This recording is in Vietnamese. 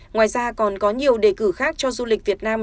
ngoài ra còn có nhiều đề cử khác cho du lịch việt nam